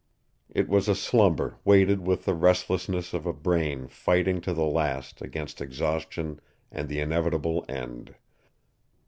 It was a slumber weighted with the restlessness of a brain fighting to the last against exhaustion and the inevitable end.